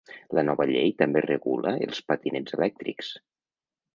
La nova llei també regula els patinets elèctrics.